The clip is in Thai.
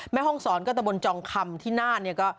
แม่ห้องศรก็ตะบนจองคำที่น่านเนี่ยก็